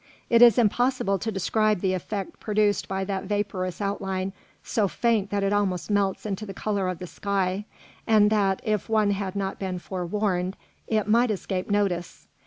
It is impossible to describe the effect produced by that vaporous outline so faint that it almost melts into the colour of the sky, and that, if one had not been forewarned, it might escape notice.